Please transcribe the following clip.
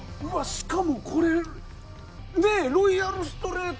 しかもこれロイヤルストレート。